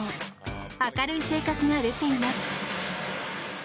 明るい性格が出ています。